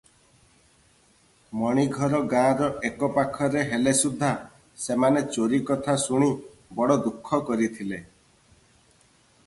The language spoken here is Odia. ମଣିଘର ଗାଁର ଏକପାଖରେ ହେଲେ ସୁଦ୍ଧା ସେମାନେ ଚୋରି କଥା ଶୁଣି ବଡ଼ ଦୁଃଖ କରିଥିଲେ ।